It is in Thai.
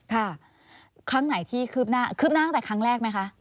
ค่ะครั้งไหนที่คืบหน้าคืบหน้าตั้งแต่ครั้งแรกไหมคะ